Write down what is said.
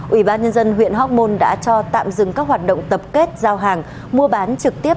ủy ban nhân dân huyện hóc môn đã cho tạm dừng các hoạt động tập kết giao hàng mua bán trực tiếp